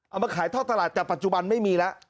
เอามาขายท่อตลาดแต่ปัจจุบันไม่มีแล้ว